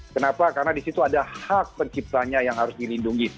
kenapa karena di situ ada hak penciptanya yang harus dilindungi